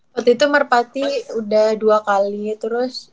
waktu itu merpati udah dua kali terus